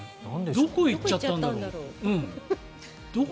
どこへ行っちゃったんだろう。